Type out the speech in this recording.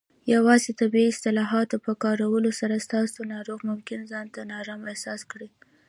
یوازې د طبي اصطلاحاتو په کارولو سره، ستاسو ناروغ ممکن ځان نارامه احساس کړي.